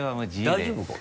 大丈夫か？